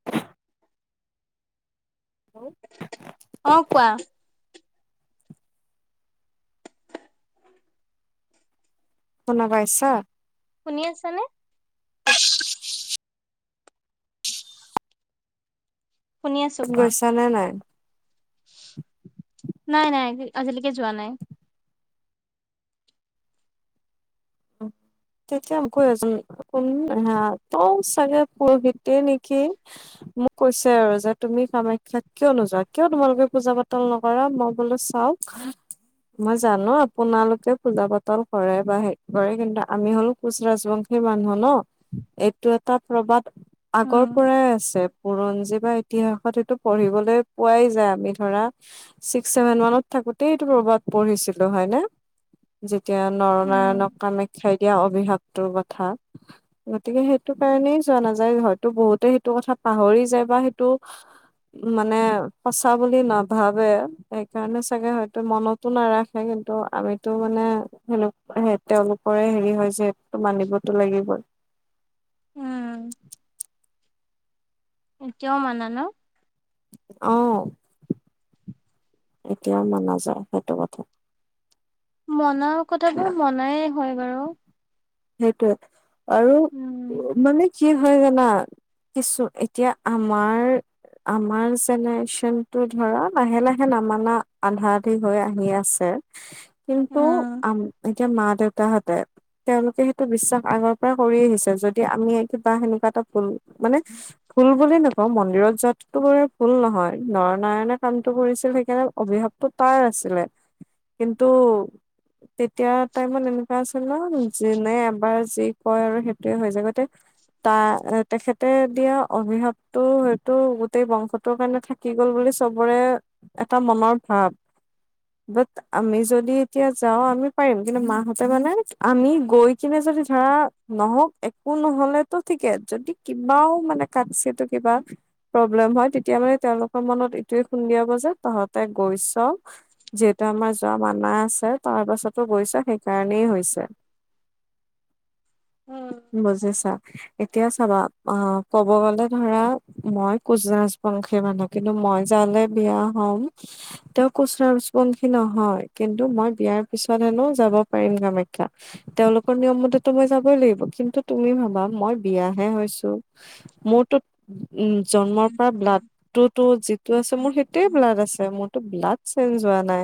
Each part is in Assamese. [unintelligible] অ অ কোৱা? শুনা পাইছা। শুনি আছানে? [unintelligible] শুনি আছো কোৱা গৈছা নে নাই নাই নাই আজিলৈকে যোৱা নাই। তেতিয়া [inaudible] কোনো নাহে আ তৌ চাগে পুৰুহিতে নেকি? মোক কৈছে আৰু যে তুমি কামাখ্যাত কিয় নোযোৱা? কিয় তোমালোকে পুজা পাতল নকৰা? মই বোলো চাওক মই জানো আপোনালোকে পূজা পাতল কৰে বা হে কৰে। কিন্তু আমি হলো কোচ ৰাজবংশী মানুহ ন? এইটো এটা প্ৰবাদ আগৰ উম পৰাই আছে। বুৰঞ্জী বা ইতিহাসত সেইটো পঢ়িবলৈ পোৱাই যায়। আমি ধৰা ছিক্স ছেভেন মানত থাকোতেই এইটো কৰ'বাত পঢ়িছিলো হয় নে? যেতিয়া উম নৰনাৰায়ণক [unintelligible] দিয়া অভিশাপটোৰ কথা। গতিকে সেইটো কাৰণেই যোৱা নাযায় হয়তো, বহুতে সেইটো কথা পাহৰি যায় বা সেইটো মানে সঁচা বুলি নাভাবে। সেইকাৰণে চাগে হয়তো মনত টো নাৰাখে। কিন্তু আমিতো মানে হেনোকুৱা হে তেওঁলোকৰে হেৰি হয় যে স মানিবতো লাগিবই। উম এতিয়াও মানা ন? অ [inaudible] এতিয়াও মানা যায়। সেইটো কথা মনাৰ কথাটোৰ মনায়ে হয় বাৰু। সেইটোৱে আৰু উম মানে কি হয় জানা? কিছু এতিয়া আমাৰ আমাৰ জেনেৰেশ্যনটো ধৰা লাহে লাহে নামানা আধা আধি হৈ আহি আছে। কিন্তু উম আম এতিয়া মা দেউতাহঁতে তেওঁলোকে সেইটো বিশ্বাস আগৰ পৰাই কৰি আহিছে। যদি আমি কিবা সেনেকুৱা এটা ভুল মানে ভুল বুলিু নকওঁ, মন্দিৰত যোৱাটো বাৰু ভুল নহয়। নৰনায়ণে কামটো কৰিছিল সেইকাৰণে অভিভাৱতটো তাৰ আছিলে। কিন্তু তেতিয়া টাইমত এনেকুৱা আছে ন'? যোনে এবাৰ যি কয় আৰু সেইটোয়ে হৈ যায়। ত' এ তেখেতে দিয়া অভিহাৱটো হয়তটো গোটেই বংশ ত কাৰণে থাকি গ'ল বুলি চবৰে এটা মনৰ ভাব বাট আমি যদি এতিয়া যাওঁ আমি পাৰিম। কিন্তু মাহতে মানে আমি গৈ কিনে যদি ধৰা নহওক একো নহলেতো ঠিকে। যদি কিবাও মানে কাট চিটো তটো কিবা প্ৰব্লেম হয়। তেতিয়া মানে তেওঁলোকৰ মনত এইটোয়ে খুন্দিয়াব যে, তহঁতে গৈছ যিহেতু আমাৰ যোৱা মানা আছে তাৰ পাছতো গৈছ সেইকাৰণেই হৈছে। উম, বুজিছা। এতিয়া চাবা অ', ক'ব গলে ধৰা মই কোচ ৰাজবংশী মানুহ কিন্তু মই যালে বিয়া হম তেওঁ কুচ ৰাজবংশী নহয়। কিন্তু মই বিয়াৰ পিছত হেনো যাব পাৰিম কামাখ্যা। তেওঁলোকৰ নিয়ম মতেতো মই যাবই লাগিব। কিন্তু তুমি ভাবা মই বিয়াহে হৈছো। মোৰ টো উম, জন্মৰ পৰা ব্লাডটোতো যিটো আছে মোৰ সেইটোয়ে ব্লাড আছে মোৰ। ব্লাড চে্জ হোৱা নাই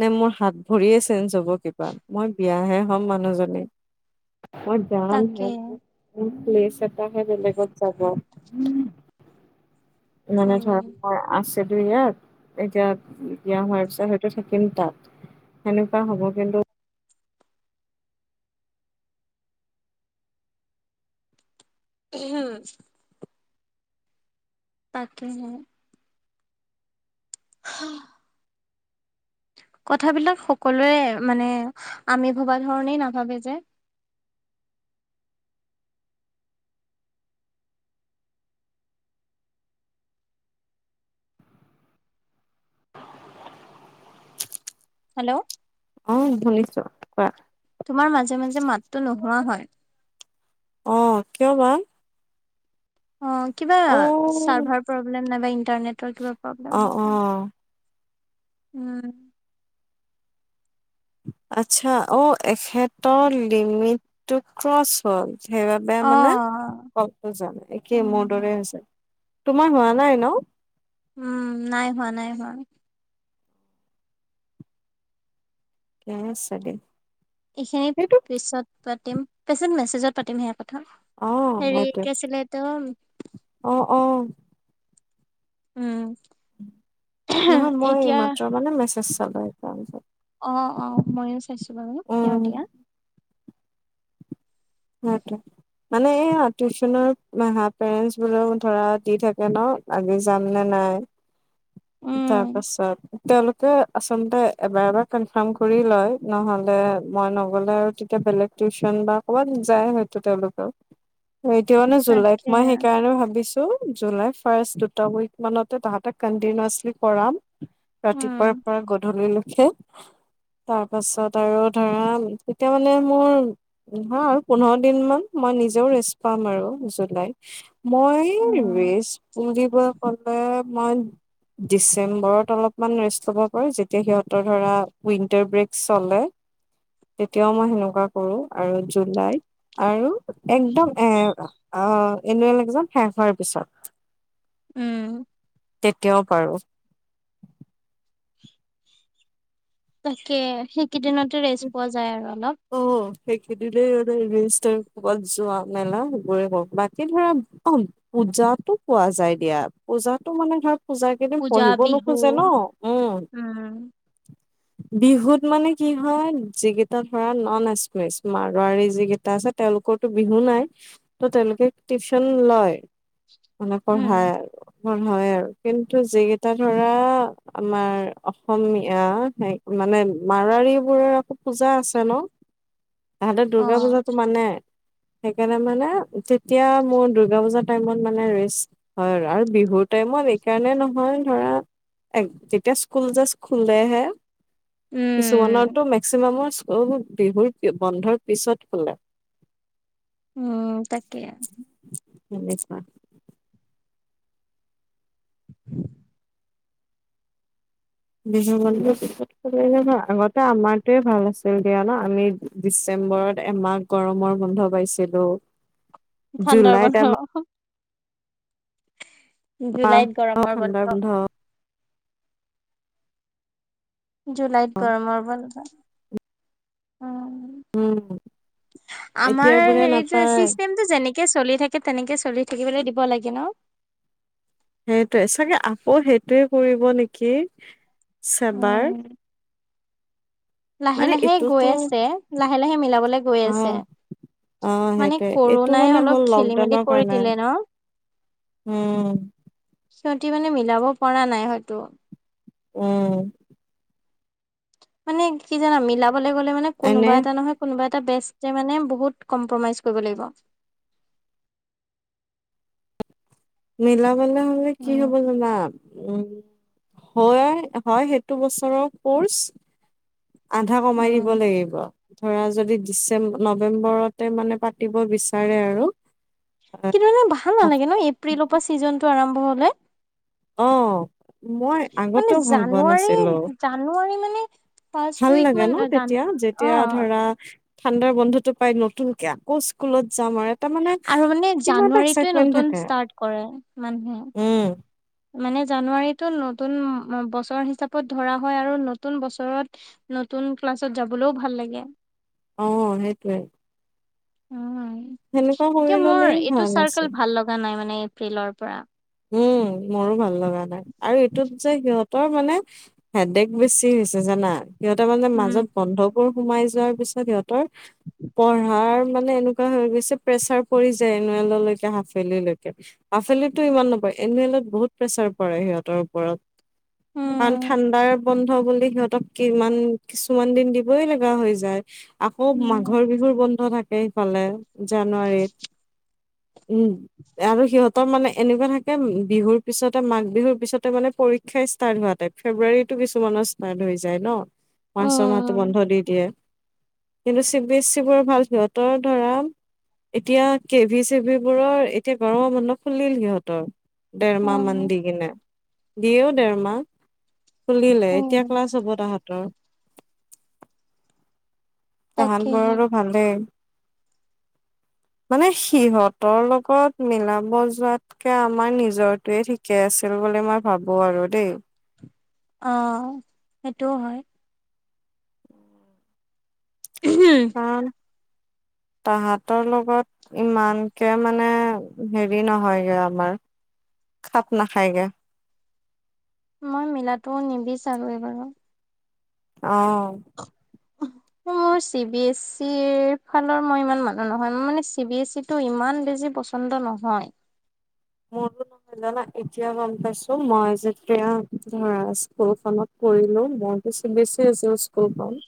নে, মোৰ হাত ভৰিয়ে চেঞ্জ হব কিবা। মই বিয়াহে হম মানুহজনী। [unintelligible] তাকে তাকেটো বেলেগত যাব। মানে উম ধৰণৰ আছে। ইয়াত এতিয়া বিয়া হোৱাৰ পিছত হয়তো থাকিম তাত। সেনেকুৱা হ'ব কিন্তু হম। তাকে হে। [unintelligible] কথাবিলাক সকলোৱে মানে আমি ভবা ধৰণেই নাভাবে যে। হেল্ল'? অ', শুনিছো কোৱা। তোমাৰ মাজে মাজে মাতটো নোহোৱা হয়। অ', কিয় বা? অঁ', কিবা অ চাৰ্ভাৰ প্ৰব্লেম নাইবা ইণ্টাৰনেটৰ কিবা প্ৰব্লেম অ হ'ব অ পাৰে। উম,। আচ্ছা অ', এখেতৰ লিমিট টো ক্ৰচ হল সেইবাবে মানে অ অফ হয় একে মোৰ উম, দৰে হৈছে। তোমাৰ হোৱা নাই ন'? উম, নাই হোৱা নাই হোৱা। মোৰো চাগে। এইখিনি পিছত পাতিম পিছত মেছেজত পাতিম সেয়া কথা। অ', হেৰি সেইটো কি আছিলে এইটো অ', অ' উম, নহয় মই এই এতিয়া মাত্ৰ মানে মেছেজ চালো সেইকাৰণে। অ অ ময়ো চাইছো বাৰু তেওঁ উম দিয়া হয়ত মানে এই টিউচনৰ হা পেৰেন্টচ বোলেও ধৰা দি থাকে ন আজি যাম নে নাই উম, তাৰ পাছত তেওঁলোকে আচলতে এবাৰ এবাৰ কনফাৰ্ম কৰি লয় নহলে মই নগলে আৰু তেতিয়া বেলেগ টিউচন বা ক'ৰবাত যাই হয়তো তেওঁলোকৰ এতিয়া মানে তাকে জুলাইত মই সেইকাৰণে ভাবিছোঁ, জুলাই ফাৰ্ষ্ট দুটা উইক মানতে তাহাঁতেক কন্টিনাচলি কৰাম ৰাতিপুৱাৰ উম, পৰা গধূলি লৈকে তাৰ পাছত আৰু ধৰা তেতিয়া মানে মোৰ হা পোন্ধৰ দিন মান মই নিজেও ৰেষ্ট পাম আৰু জুলাই মই উম, ভেজ পুৰিব গলে মই [unintelligible] ডিচেম্বৰত অলপমান ৰেষ্ট ল'ব পাৰি যেতিয়া সিহঁতৰ ধৰা উইণ্টাৰ ব্ৰেক চলে তেতিয়াও মই সেনেকুৱা কৰো আৰু জুলাইত আৰু একদম এ আহ এনেৱেলএকজাম শেষ হোৱাৰ পিছত উম তেতিয়াও পাৰোঁ। তাকে সেইকেইদিনতে ৰেষ্ট পোৱা যায় আৰু অলপ। অ সেইখদিলেই ক'ৰবাত যোৱা মেলা সেইবোৰে কওক বাকী ধৰা কম পূজাতো পোৱা যায় দিয়া পূজাতো মানে ধৰক পূজা কেইদিন পঢ়িব নোখোজে ন উম বিহুত মানে কি হয় যিকেইটাত ধৰা নন এক্সেছ মাৰুৱাৰী যিকেইটা আছে তেওঁলোকৰো বিহু নাই ত তেওঁলোকে টিউচন লয় মানে উম, পঢ়ায় আৰু পঢ়া হয় আৰু কিন্তু যিকেইটা ধৰা আমাৰ অসমীয়া মানে মাৰোৱাৰী বোৰৰ আকৌ পূজা আছে হেল্ল তাহাতে দূৰ্গা অ', পূজাটো মানে সেইকাৰণে মানে তেতিয়া মোৰ দুৰ্গা পূজাৰ টাইমত মানে ৰেষ্ট হয় আৰু বিহুৰ টাইমত এইকাৰণে নহয় ধৰা এত তেতিয়া স্কুল যাষ্ট খোলেহে উম কিছুমানৰতো মেক্সিমামৰ বহুত বিহুৰ বন্ধৰ পিছত খোলে অহ তাকে সেনেকোৱা [unintelligible] বিহু বন্ধৰ পিছত খোলে ন আগতে আমাৰটোয়ে ভাল আছিল দিয়া ন আমি ডিচেম্বৰত এমাহ গৰমৰ বন্ধ পাইছিলো ঠাণ্ডাৰ জুলাইত বন্ধ এমাহ জুলাইত গৰমৰ বন্ধ জুলাইত গৰমৰ বন্ধ উম উম আমাৰ এতিয়াৰ বোৰে হেৰি যে নাপায় চিছটেম যেনেকে চলি থাকে তেনেকে চলি থাকিবলৈ দিব লাগে ন সেইটোৱে চাগে আকৌ সেইটোৱে কৰিব নেকি চেবাৰ উম, লাহে মানে লাহে এইটোতো গৈ আছে লাহে লাহে মিলাবলে গৈ অ আছে অ মানে সেইটোয়ে এইটো কৰোণাই মানে অলপ হ'ল খেলি মেলি লকডাউনৰ কৰি কাৰণে দিলে ন উম সিঁহতি মানে মিলাব পৰা নাই হয়তো উম মানে কি জানা মিলাবলে গ'লে মানে কোনোবা এনে এটা নহয় কোনোবা এটা বেষ্টে মানে বহু কম্প্ৰমাইজ কৰিব লাগিব মিলাবলে হলে কি হ'ব উম, জানা উম হয় হয় সেইটো বছৰৰ কৰ্চ আধা কমাই উম, দিব লাগিব। ধৰা যদি ডিচেম্ব নৱেম্বৰতে মানে পাতিব বিচাৰে আৰু কিন্তু মানে ভাল নালাগে ন' এপ্ৰিলৰ পৰা ছিজনটো আৰম্ভ হলে অ' মই মানে আগতেও ভাল পোৱা জানুৱাৰী নাছিলো। জানুৱাৰী মানে ফাৰ্ষ্ট ভাল উইক লাগে মান ন তেতিয়া জানুৱাৰী অ যেতিয়া ধৰা ঠাণ্ডাৰ বন্ধতো পায় নতুনকে আকৌ স্কুলত যাম আৰু এটা মানে আৰু মানে কিবা এটা জানুৱাৰীটোৱে এক্সাইটমেন্ট নতুন থাকে ষ্টাৰ্ট কৰে মানুহে। উম মানে জানুৱাৰীতো নতুন বছৰ হিচাপত ধৰা হয় আৰু নতুন বছৰত নতুন ক্লাছত যাবলৈও ভাল লাগে অ সেইটোৱে অ কৰি এতিয়া মোৰ ললেই এইটো ভাল আছিল চাৰ্কেল ভাল লগা নাই মানে এপ্ৰিলৰ পৰা উম মোৰো ভাল লগা নাই আৰু এইটোত যে সিহঁত তৰ মানে হেডডেক বেছি হৈছে জানা সিহঁতৰ মানে উম, মাজত বন্ধ বোৰ সোমাই যোৱাৰ পিছত সিহঁতৰ পঢ়াৰ মানে এনে এনেকোৱা হৈ গৈছে প্ৰেচাৰ পৰি যায় এনুৱেললৈকে হাফৱেলিলৈকে হাফৱেলিটো ইমান এনুৱেলত বহুত প্ৰেচাৰ পৰে সিহঁতৰ ওপৰত কাৰন উম, ঠাণ্ডাৰ বন্ধ বুলি সিহঁতক কিমান কিছুমান দিন দিবই লগা হৈ যায় আকৌ উম, মাঘৰ বিহুৰ বন্ধ থাকে সেইফালে জানুৱাৰীত উম আৰু সিহঁতৰ মানে এনেকুৱা থাকে বিহুৰ পিছতে মাঘ বিহুৰ পিছতে মানে পৰীক্ষাই ষ্টাৰ্ট হোৱা টাইপ ফেব্ৰুৱাৰীতো কিছুমানৰ পা ধৰি যায় ন' মাৰ্চ ছমাহটো উম। বন্ধ দি দিয়ে। কিন্তু চি বি এছ চি বোৰৰ ভাল সিহঁতৰ ধৰা এতিয়া কে ভি চে ভিবোৰৰ এতিয়া গৰমৰ বন্ধ খুলিল সিহঁতৰ। ডেৰমাহ মান উম, দি কিনে দিয়েও ডেৰমাহ। খুলিলে এতিয়া ক্লাছ উম, হ'ব তাহতৰ। তাকেহে তাহাতবোৰৰো ভালেই মানে সিহঁতৰ লগত মিলাব যোৱাত কে আমাৰ নিজৰটোৱে ঠিকে আছিল বুলি মই ভাবোঁ আৰু দেই। অ', সেইটোও হয়। [unintelligible] [unintelligible] তাহাঁতৰ লগত ইমানকে মানে হেৰি নহয়গে আমাৰ খাপ নাখায়গে। মই মিলাটোও নিবিচাৰো এ বাৰু। অহ। মোৰ চি বি এছ ইৰ ফালৰ মই ইমান মানুহ নহয় মোৰ মানে চি বি এ ই টো ইমান বেছি পচন্দ নহয়। মোৰো নদানা এতিয়া গম পাইছোঁ মই যেতিয়া ধৰা স্কুলখনত কৰিলো মই চি বি এছ চি আছিল স্কুলখন।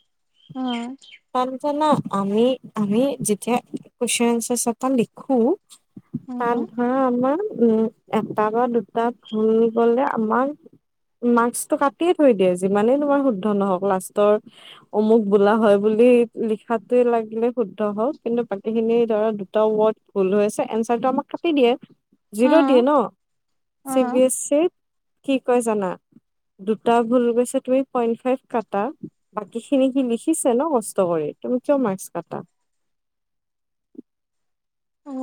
অ'। প ন আমি-আমি যেতিয়া [unintelligible] [unintelligible] খু ত উম, ধৰা আমাৰ উম'। এটা বা দুটা ভুল গ'লে আমাৰ মাস্কটো কাটে থৈ দিয়ে যিমানেই তোমাৰ শুদ্ধ নহওক লাষ্টৰ অমুক বোলা হয় বুলি লিখাটোৱে লাগিলে শুদ্ধ হওঁক কিন্তু বাকী খিনি ধৰা দুটা ৱৰ্ড ভুল হৈ আছে এনচাৰটো আমাক কাটি দিয়ে জিৰ' দিয়ে উম, ন' চি উম, বি এছ চিত কি কয় জানা? দুটা ভুল গৈছে তুমি পইন্ট ফাইভ কাটা বাকী খিনি কি লিখি লিখিছে ন কষ্ট কৰি তুমি কিয় মাৰ্কছ কাটা অ'।